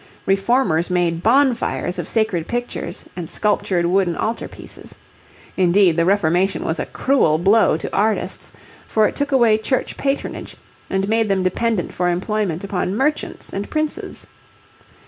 Reformers made bonfires of sacred pictures and sculptured wooden altar pieces. Indeed the Reformation was a cruel blow to artists, for it took away Church patronage and made them dependent for employment upon merchants and princes.